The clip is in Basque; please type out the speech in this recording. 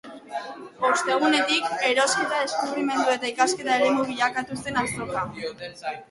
Ostegunetik, erosketa, deskubrimendu eta ikasketa eremu bilakatu zen azoka.